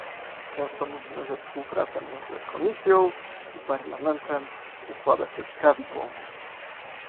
Często mówimy, że współpraca między Komisją i Parlamentem układa się prawidłowo